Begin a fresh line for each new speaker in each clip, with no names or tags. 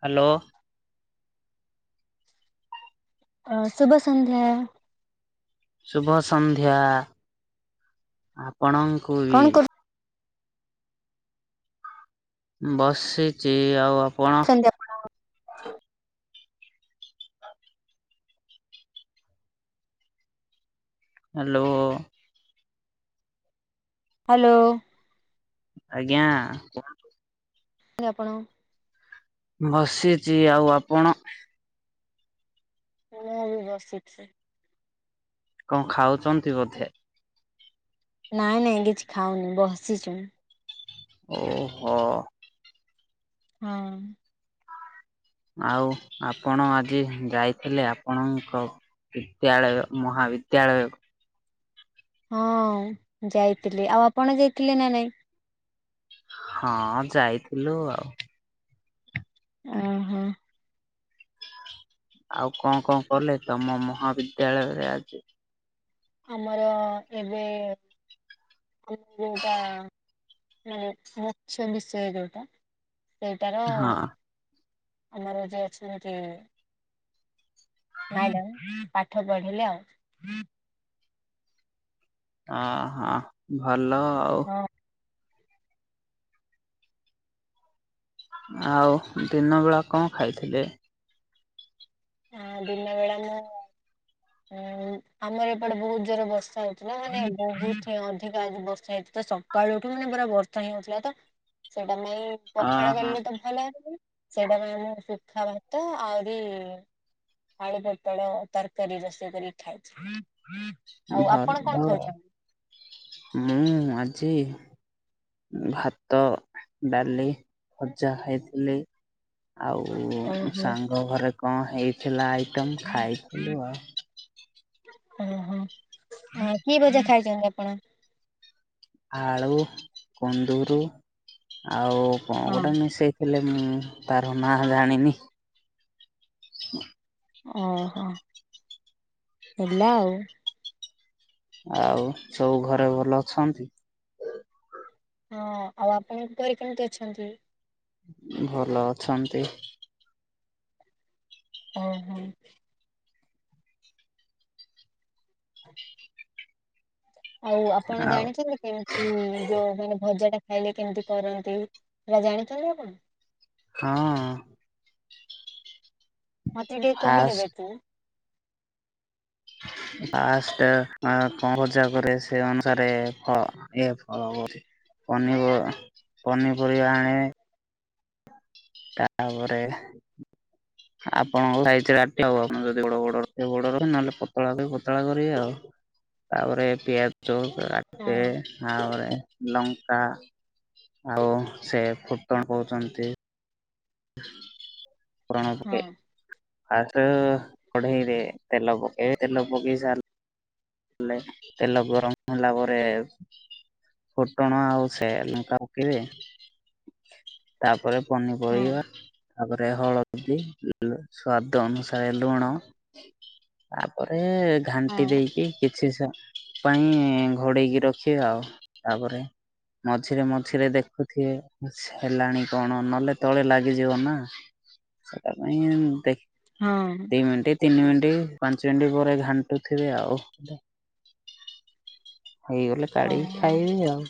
Hello.
ଅ ଶୁଭ ସନ୍ଧ୍ୟା।
ଶୁଭ ସନ୍ଧ୍ୟା ଆପଣଙ୍କୁ ବି।
କଣ
ଉଁ ବସିଚି ଆଉ ଆପଣ?
ଯେ ଆପଣ
ହାଲୋ।
ହାଲୋ।
ଆଜ୍ଞା କୁହ।
ଯେ ଆପଣ
ମୁଁ ବସିଚି ଆଉ ଆପଣ?
ମୁଁ ବି ବସିଚି।
କଣ ଖାଉଚନ୍ତି ବୋଧେ?
ନାଇଁ ନାଇଁ କିଛି ଖାଉନି ବସିଚି ମୁଁ।
ଓ ହ।
ହଁ।
ଆଉ ଆପଣ ଆଜି ଯାଇଥିଲେ ଆପଣଙ୍କ ବିଦ୍ୟାଳୟ ମହାବିିଦ୍ୟାଳୟ କୁ।
ହଁ ଯାଇଥିଲି ଆଉ ଆପଣ ଯାଇଥିଲେ ନା ନାଇଁ?
ହଁ ଯାଇଥିଲୁ ଆଉ।
ଅ ହ।
ଆଉ କଣ କଣ କଲେ ତମ ମହାବିଦ୍ୟାଳୟରେ ଆଜି?
ଆମର ଏବେ ଉ ଯୋଉଟା ଉଁ ମାଛ ବିଷୟ ଯୋଉଟା। ସେଇଟାର
ହଁ।
ଆମର ଯିଏ ଅଛନ୍ତି ମ୍ୟାଡାମ ପାଠ ପଢେଇଲେ ଆଉ।
ଅ ହଁ ଭଲ ଆଉ। ଆଉ ଦିନବେଳା କଣ ଖାଇଥିଲେ?
ଆଁ ଦିନବେଳା ମୁଁ ଉଁ ଆମର ଏପଟେ ବହୁତ ଜୋର ବର୍ଷା ହଉଥିଲା ମାନେ ବହୁତ ହିଁ ଅଧିକା ଆଜି ବର୍ଷା ହେଇଚି ତ ସ କାଳୁ ଉଠିବ ମାନେ ପୁରା ବର୍ଷା ହିଁ ହଉଥିଲା ତ ସେଇଟା ନେଇ ପଖାଳ
ଅହ
ଖାଇଲେ ତ ଭଲ ହେବୁନି ସେଇଟା ପାଇଁ ଆମ ସୁଖା ଭାତ ଆହୁରି ଆଳୁ, ପୋଟଳ ତରକାରୀ ରୋଷେଇ କରିକି ଖାଇଚି ଆଉ
ଭଲ
ଆପଣ କଣ ଖାଉଛନ୍ତି?
ମୁଁ ଆଜି ଭାତ, ଡାଲି, ଭଜା ଖାଇଥିଲି। ଆଉ
ଓହୋ
ସାଙ୍ଗ ଘରେ କଣ ହେଇଥିଲା ଆଇଟମ୍ ଖାଇଥିଲୁ ଆଉ।
ଓ ହୋ ଏ କି ଭଜା ଖାଇଚନ୍ତି ଆପଣ?
ଆଳୁ କୁନ୍ଦୁରୁ ଆଉ କଣ
ହଁ
ଗୋଟେ ମିଶେଇ ହେଲେ ମୁଁ ତାର ନାଁ ଜାଣିନି।
ଓହୋ ହେଲା ଆଉ।
ଆଉ ସବୁ ଘରେ ଭଲ ଅଛନ୍ତି?
ହଁ ଆଉ ଆପଣଙ୍କ ଘରେ କେମିତି ଅଛନ୍ତି?
ଭଲ ଅଛନ୍ତି।
ଓ ହୋ। ଆଉ ଆପଣ
ଆଉ
ଜାଣିଚନ୍ତି କେମ୍ ଉଁ ଯୋଉ ମାନେ ଭଜାଟା ଖାଇଲେ କେମିତି କରନ୍ତି ସେଟା ଜାଣିଛନ୍ତି ଆପଣ?
ହଁ।
ମତେ ଟିକେ କହିଦେବେ
ଫାଷ୍ଟ
କି?
ହଁ [inaudible] ପାଷ୍ଟେ ଆଁ କଣ ଭଜା କରେ ସେ ଅନୁସାରେ ଫଳ ଇଏ ଫଳ କହୁଛି ପନି ପ ପନିପରିବା ଆଣିଏ। ତାପରେ ଆପଣଙ୍କ ସାଇଜ ରେ ଆଟିବ ଆପଣ ଯଦି ବଡ଼ ବଡ଼ ରଖିବେ ବଡ଼ ର ନହେଲେ ପତଳା ପତଳା କରିବେ ଆଉ। ତାପରେ ପିଆଜ
ହଁ
କାଟେ ଆପରେ ଲଙ୍କା ଆଉ ସେ ଫୁଟଣ କହୁଛନ୍ତି। [unintelligible]
ହଁ
ଫାଷ୍ଟେ କଢ଼େଇରେ ତେଲ ପକେଇବେ ତେଲ ପକେଇ ସାରିଲ ଲେ ତେଲ ଗରମ ହେଲା ପରେ ଫୁଟଣ ଆଉ ସେ ଲଙ୍କା ପକେଇବେ। ତାପରେ
ହଁ
ପନିପରିବା। ତାପରେ ହଳଦୀ ଲୁ ସ୍ୱାଦ ଅନୁସାରେ ଲୁଣ। ତାପରେ ଘାଣ୍ଟି
ହଁ
ଦେଇକି କିଛି ସ ପାଇଁ ଘୋଡ଼େଇକି ରଖିବେ ଆଉ ତାପରେ ମଝିରେ ମଝିରେ ଦେଖୁଥିବେ ହେଲାଣି କଣ ନହେଲେ ତଳେ ଲାଗିଯିବ ନା। ସେଟା ପାଇଁ ଏମ୍ ଦି
ହଁ।
ଦି ମିଣ୍ଟି ତିନି ମିଣ୍ଟି ପାଞ୍ଚ ମିଣ୍ଟି ପରେ ଘାଣ୍ଟୁ ଥିବେ ଆଉ। ହେଇଗଲେ କାଢ଼ିକି
ଓହୋ।
ଖାଇବେ ଆଉ।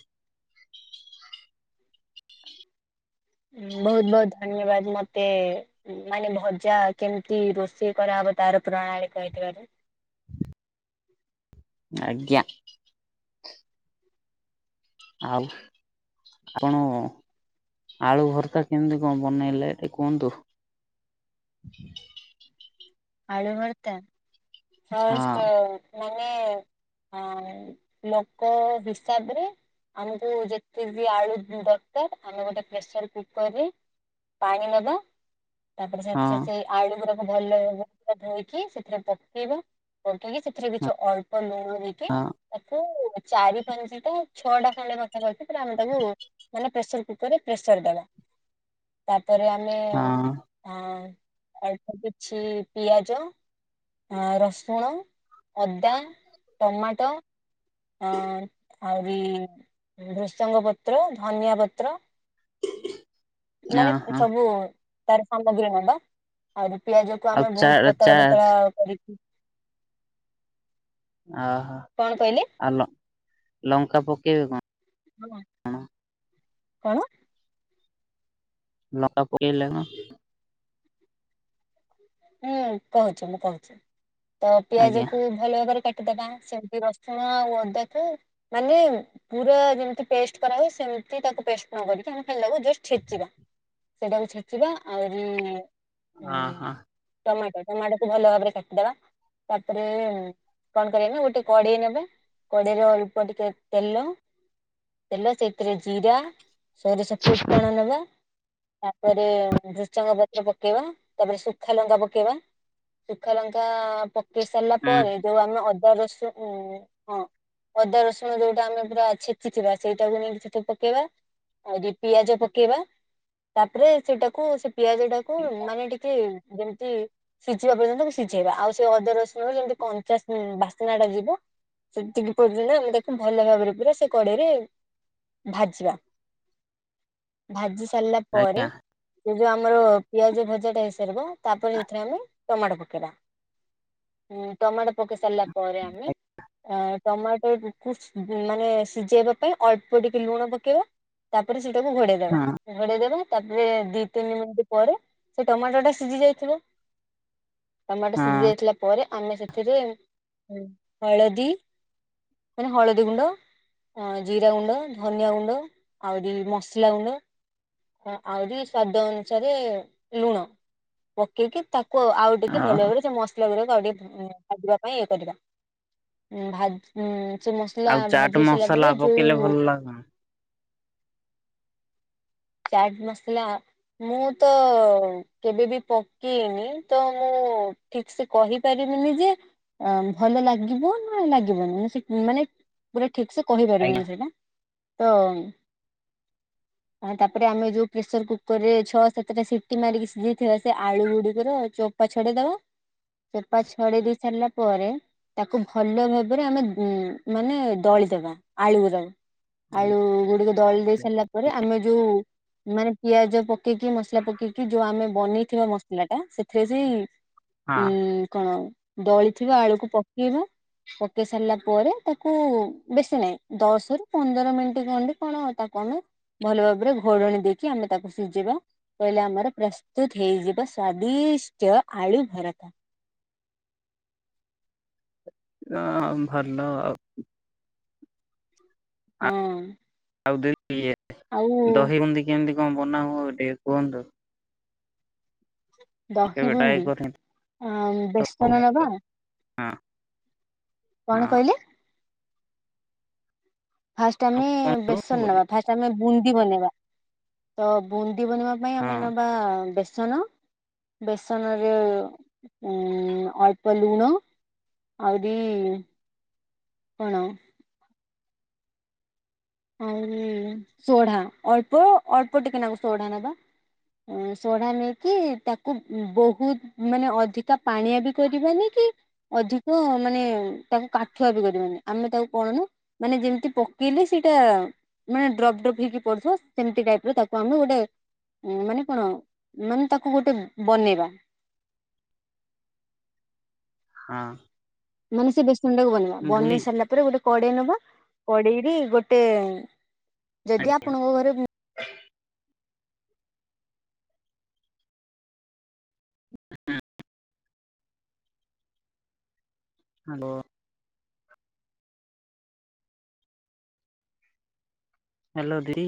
ହୁ ବହୁତ ବହୁତ ଧନ୍ୟବାଦ ମତେ ମାନେ ଭଜା କେମିତି ରୋଷେଇ କରାହବ ତାର ପ୍ରଣାଳୀ କହିଥିବାରୁ।
ଆଜ୍ଞା। ଆଉ ଆପଣୁ ଆଳୁ ଭର୍ତା କେମିତି କଣ ବନେଇଲେ କେ କୁହନ୍ତୁ?
ଆଳୁ ଭର୍ତ୍ତା।
ହଁ
ଫାଷ୍ଟେ ମାନେ ଅଁ ଲୋକ ହିସାବରେ ଆମକୁ ଯେତେବି ଆଳୁ ଦରକାର ଆମେ ଗୋଟେ ପ୍ରେସର କୁକରରେ ପାଣି ନେବା ତାପରେ
ହଁ
ସେଥିରେ ସେଇ ଆଳୁ ଗୁଡ଼ାକ ଭଲ ଭାବେ ଧୋଇକି ସେଥିରେ ପ କେଇବା ପକେଇକି ସେଥିରେ
ହଁ
କିଛି ଅଳ୍ପ ଲୁଣ ଦେଇକି
ହଁ
ତାକୁ ଚାରି ପାଞ୍ଚଟା ଛଅଟା ଖଣ୍ଡେ ପାଖ ପାଖି ପୁରା ଆମେ ତାକୁ ମାନେ ପ୍ରେସର କୁକର ରେ ପ୍ରେସର ଦବା। ତାପରେ ଆମେ ଅଁ ଅଳ୍ପ କିଛି ପିଆଜ ଅ- ରସୁଣ, ଅଦା, ଟମାଟୋ ଅ- ଆହୁରି ଭୃସଙ୍ଗ ପତ୍ର, ଧନିଆ ପତ୍ର
ଅ
ମାନେ
ହଁ
ସବୁ ତାର ସାମଗ୍ରୀ ନବା। ଆହୁରି ପିଆଜ କୁ
ଆଉ
ଆମେ
ଚା
ବହୁତ୍
ଚା
ପତଳା ପତଳା କରିକି
ଓହୋ
କଣ କହିଲେ?
ଆଉ ଲ- ଲଙ୍କା ପକେଇବେ କଣ?
କଣ?
ଲଙ୍କା ପକେଇଲେ କଣ?
ହୁଁ କହୁଚି ମୁଁ କହୁଚି ତ
ଆଜ୍ଞା
ପିଆଜକୁ ଭଲ ଭାବରେ କାଟିଦବା ସେମତି ରସୁଣ ଆଉ ଅଦାକୁ ମାନେ ପୁରା ଯେମିତି ପେଷ୍ଟ କରା ହୁଏ ସେମିତି ତାକୁ ପେଷ୍ଟ୍ ନ କରିକି ଆମେ ଖାଲି ତାକୁ ଜଷ୍ଟ୍ ଛେଚିବା। ସେଇଟାକୁ ଛେଚିବା ଆହୁରି
ହଁ ହଁ
ଟମାଟୋ- ଟମାଟୋକୁୁ ଭଲ ଭାବରେ କାଟିଦବା। ତାପରେ କଣ କରିବା ନା ଗୋଟେ କଡେଇ ନବା କଡେଇରେ ଅଳ୍ପ ଟିକେ ତେଲ ତେଲ ସେଇଥିରେ ଜିରା ସୋରିଷ ଫୁଟଣ ନବା ତାପରେ ଭୃସଙ୍ଗ ପତ୍ର ପକେଇବା ତାପରେ ଶୁ ସୁୁଖାଲଙ୍କା ପକେଇବା ସୁଖାଲଙ୍କା ପକେଇ ସାରିଲା ପରେ
ହୁଁ
ଯଉ ଆମେ ଅଦା ରସୁଣ କୁ ହଁ ଅଦା ରସୁଣ ଯଉଟା ଆମେ ପୁରା ଛେଚିଥିବା ସେଇଟାକୁ ନେଇକି ସେଠି ପକେଇବା। ଆଉ ଟିକେ ପିଆଜ ପକେଇବା ତାପରେ ସେଇଟାକୁ ସେ ପିଆଜ ଟାକୁ ମାନେ ଟିକେ ଯେମିତି ସିଝିବା ପର୍ଯ୍ୟନ୍ତ ତାକୁ ସିଝେଇବା ଆଉ ସେ ଅଦା ରସୁଣ ର ଯେମିତି କଞ୍ଚା ସ୍ମେ- ବାସ୍ନା ଟା ଯିବ ଛେଚିକି ପଡଚି ନା ଆମେ ତାକୁ ଭଲ ଭାବରେ ପୁରା ସେ କଡେଇରେ ଭାଜିବା। ଭାଜି ସାରିଲା ପରେ‌
ଆଜ୍ଞା
ସେ ଯଉ ଆମର ପିଆଜ ଭଜା ଟା ହେଇସାରିବ ତାପରେ ଏଥିରେ ଆମେ ଟମାଟୋ ପକେଇବା ଟମାଟୋ ପକେଇ ସାରିଲା ପରେ ଆମେ
ହଁ
ଅ ଟମାଟରକୁୁ ମାନେ ସିଝେଇବା ପାଇଁ ଅଳ୍ପ ଟିକେ ଲୁଣ ପକେଇବା ତାପରେ ସେଇଟାକୁ ଘୋଡ଼େଇ ଦବା ଘୋଡେଇ ଦେବେ ତାପରେ ଦି ତିନି ମିନିଟ୍ ପରେ ସେ ଟମାଟୋ ଟା ସିଜି ଯାଇଥିବ ଟମାଟୋ
ହଁ।
ସିଜି ଯାଇଥିଲା ପରେ ଆମେ ସେଥିରେ ହଳଦୀ ମାନେ ହଳଦୀ ଗୁଣ୍ଡ ଅଁ- ଜିରା ଗୁଣ୍ଡ, ଧନିଆ ଗୁଣ୍ଡ, ଆହୁରି ମସଲା ଗୁଣ୍ଡ ଆହୁରି ସ୍ଵାଦ ଅନୁସାରେ ଲୁଣ ପକେଇକି ତାକୁ ଆଉ ଟିକେ ଭଲ
ଓହୋ
ଭାବରେ ସେ ମସଲା ଗୁଡାକ ଆଉ ଟିକେ ଭାଜିବା ପାଇଁ ଇଏ କରିବା ଉଁ-ଭାଜି ହୁଁ ସେ ମସଲା ଭାଜି ହେଇସାରିଲା ପରେ ଯଉ
ହଁ- ହଁ।
ଚାଟ୍ ମସଲା ମୁଁ ତ କେବେବି ପକେଇନି ତ ମୁଁ ଠିକ୍ ସେ କହି ପାରିବିନି ଯେ ଅ- ଭଲ ଲାଗିବ ନା ଲାଗିବନି ମାନେ ସେ ମାନେ ପୁରା ଠିକ୍ ସେ
ଆଜ୍ଞା
କହିପାରିବିନି ସେଇଟା ତ ଆଉ ତାପରେ ଆମେ ଯଉ ପ୍ରେସର୍ କୁକର୍ ରେ ଛଅ ସାତଟା ସିଟି ମାରିକି ସିଝେଇଥିବା ସେ ଆଳୁ ଗୁଡିକର ଚୋ ଚୋପା ଛଡେଇଦବା ଚୋପା ଛଡେଇ ଦେଇ ସାରିଲା ପରେ ତାକୁ ଭଲ ଭାବରେ ଆମେ ଉଁ -ମାନେ ଦଳିଦବା ଆଳୁରା। ଆଳୁ
ଆଜ୍ଞା
ଗୁଡିକ ଦଳି ଦେଇ ସାରିଲା ପରେ ଆମେ ଯଉ ମାନେ ପିଆଜ ପକେଇକି ମସଲା ପକେଇକି ଯଉ ଆମେ ବନେଇଥିବା ମସଲା ଟା ସେଥିରେ ସେ
ହଁ।
ଉଁ କଣ ଦଳିଥିବା ଆଳୁକୁ ପକେଇବା ପକେଇ ସାରିଲା ପରେ, ତାକୁ ବେଶୀ ନାହିଁ ଦଶରୁ ପନ୍ଦର ମିନିଟ୍ ଖଣ୍ଡେ କଣ ତାକୁ ଆମେ ଭଲ ଭାବରେ ଘୋଡ଼ଣି ଦେଇକି ଆମେ ତାକୁ ସିଝେଇବା। କହିଲେ ଆମର ପ୍ରସ୍ତୁତ ହେଇଯିବ ସ୍ଵାଦିଷ୍ଟ ଆଳୁ ଭରତା।
ହ ଭଲ ଆଉ।
ହଁ।
[unintelligible] ଆଉ
ଆଉ
ଦହି ବୁନ୍ଧି କେମିତି କଣ ବନା ହବ ଟିକେ କୁହନ୍ତୁ। କେବେ ଟ୍ରାଏ
ଦହିିବୁନ୍ଦି
କରିନି
ଆ
ତ
ବେସନ ନବା।
ହଁ।
କଣ କହିଲେ? ଫାଷ୍ଟ
ହଁ
ଆମେ
କୁହନ୍ତୁ
ବେସନ
ହଁ
ନେବା, ଫାଷ୍ଟ ଆମେ ବୁନ୍ଦି ବନେଇବା। ତ ବୁନ୍ଦି ବନେଇବା ପାଇଁ ଆମେ ନବା ବେସନ ବେସନରେ ଅଳ୍ପ ଲୁଣ। ଆଉରି କଣ ହଉ ସୋଢା, ଅଳ୍ପ ଅଳ୍ପ ଟିକେ ନାକୁ ସୋଢା ନବା। ସୋଢ଼ା ନେଇକି, ତାକୁ ବହୁତ ମାନେ ଅଧିକା ପାଣିଆ ବି କରିବାନି କି ଅଧିକ ମାନେ ତାକୁ କାଠୁଆ ବି କରିବାନି, ଆମେ ତାକୁ କଣନୁ, ମାନେ ଯେମିତି ପକେଇଲେ ସେଇଟା ମାନେ ଡ୍ରପ୍ ଡ୍ରପ ପହେଇକି ପଡଥିବ, ସେମତି ଟାଇପ ର ତାକୁ ଆମେ ଗୋଟେ ମାନେ କଣ ମାନେ ତାକୁ ଗୋଟେ ବନେଇବା।
ହଁ।
ମାନେ ସେ ବେଶନଟାକୁ ବନେଇବା,
ବୁନ୍ଦି
ବନେଇ ସାରିଲା ରେ ଗୋଟେ କଡେଇ ନବା, କଡେଇରେ ଗୋଟେ, ଯଦି ଆପଣଙ୍କ ଘରେ
ହଁ ଆମ୍ବ ହ୍ୟାଲୋ ଦି